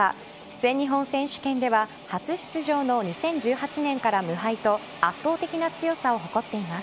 全日本選手権では初出場の２０１８年から無敗と圧倒的な強さを誇っています。